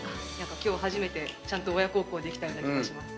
今日初めてちゃんと親孝行できたような気がします。